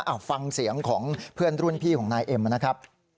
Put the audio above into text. เอาฟังเสียงของเพื่อนรุ่นพี่ของนายเอ็มนะครับ